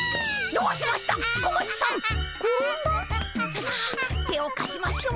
ささ手をかしましょう。